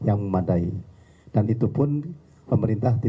saya meminta pembahasannyalle sambil mendapatkan pekerjaan ter zhi yang